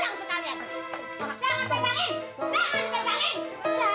masuk peh mak